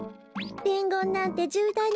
でんごんなんてじゅうだいな